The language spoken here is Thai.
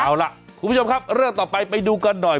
เอาล่ะคุณผู้ชมครับเรื่องต่อไปไปดูกันหน่อย